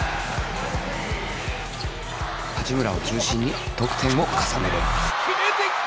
八村を中心に得点を重ねる決めてきた！